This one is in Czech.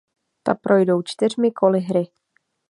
Ta projdou čtyřmi koly hry.